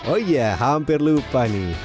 oh iya hampir lupa nih